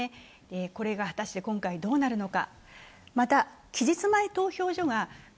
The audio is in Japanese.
これが果たして今回どうなるのか。